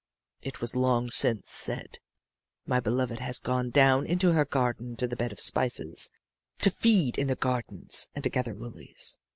It was long since said: 'My beloved has gone down into her garden to the bed of spices, to feed in the gardens and to gather lilies.